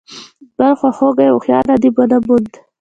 بل خواخوږی او هوښیار ادیب ونه موند.